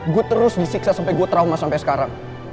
gue terus disiksa sampe gue trauma sampe sekarang